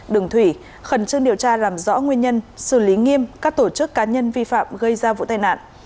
đường thủy khẩn trương điều tra làm rõ nguyên nhân xử lý nghiêm các tổ chức cá nhân vi phạm gây ra vụ tai nạn